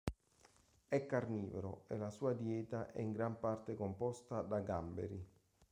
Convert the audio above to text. È carnivoro, e la sua dieta è in gran parte composta da gamberi.